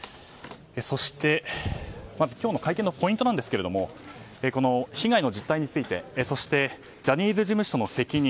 そして、まず今日の会見のポイントなんですが被害の実態についてそしてジャニーズ事務所の責任